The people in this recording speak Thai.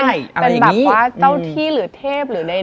เป็นแบบว่าเต้าที่หรือเทพหรือใด